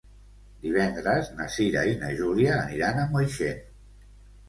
Divendres na Cira i na Júlia aniran a Moixent.